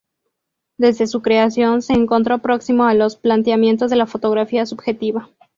Desde su creación se encontró próximo a los planteamientos de la fotografía subjetiva.